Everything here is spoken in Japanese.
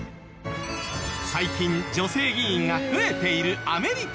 最近女性議員が増えているアメリカ。